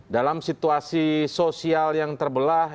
dalam situasi sosial yang terbelah